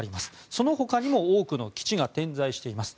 そのほかにも多くの基地が点在しています。